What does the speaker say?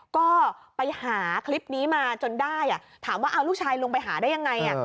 ก็ไปหาคลิปนี้มาจนได้ถามว่าเอาลูกชายลงไปหาได้ยังไง